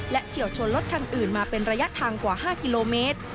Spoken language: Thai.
เฉียวชนรถคันอื่นมาเป็นระยะทางกว่า๕กิโลเมตร